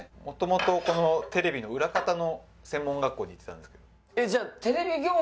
もともとテレビの裏方の専門学校に行ってたんですけど。